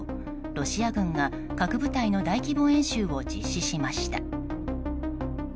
ロシア軍が核部隊の大規模演習を実施しました。